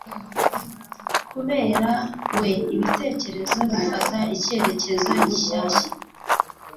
Kubera we ibitekerezo bifata icyerekezo gishyashya.